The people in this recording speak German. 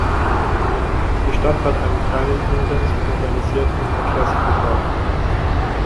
Die Stadt hat einen kleinen, unlängst modernisierten Verkehrsflughafen.